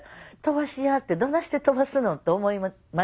「飛ばしや」ってどないして飛ばすのって思いましたよ。